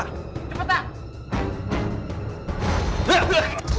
kau lebih betul